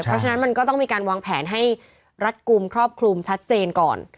เพราะฉะนั้นมันก็ต้องมีการวางแผนให้รัดกลุ่มครอบคลุมชัดเจนก่อน